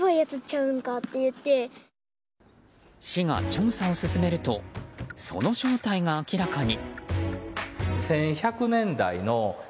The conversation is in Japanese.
市が調査を進めるとその正体が明らかに。